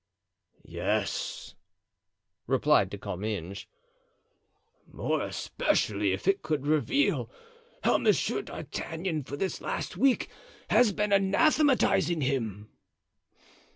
"Yes," replied De Comminges, "more especially if it could reveal how Monsieur d'Artagnan for this last week has been anathematizing him."